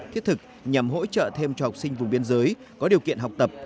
thiết thực nhằm hỗ trợ thêm cho học sinh vùng biên giới có điều kiện học tập